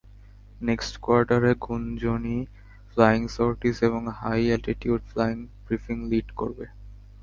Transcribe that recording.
Next কোয়ার্টারে, গুঞ্জনই flying sorties এবং high altitude flying briefing lead করবে।